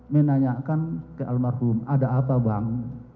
menanyakan ke almarhum ada apa bang